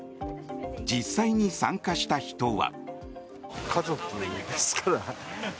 実際に参加した人は。